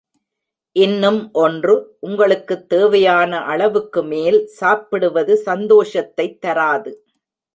இன்னும் ஒன்று, உங்களுக்கு தேவையான அளவுக்குமேல் சாப்பிடுவது சந்தோஷத்தை தராது.